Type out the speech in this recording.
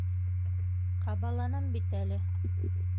Ҡабаланам бит әле.